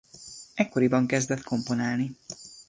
Ekkoriban kezdett komponálni.